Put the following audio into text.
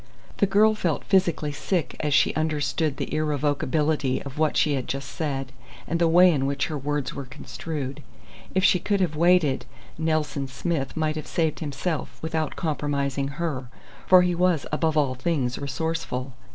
The girl felt physically sick as she understood the irrevocability of what she had just said, and the way in which her words were construed. If she could have waited, "Nelson Smith" might have saved himself without compromising her, for he was above all things resourceful.